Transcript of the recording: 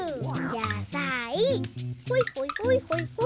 やさいほいほいほいほいほい。